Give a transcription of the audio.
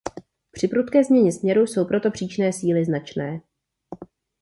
Při prudké změně směru jsou proto příčné síly značné.